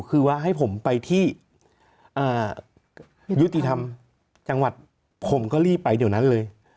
คือว่าให้ผมไปที่ยุติธรรมจังหวัดผมก็รีบไปเดี๋ยวนั้นเลย